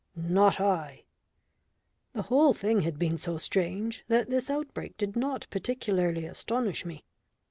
Not I!" The whole thing had been so strange that this outbreak did not particularly astonish me.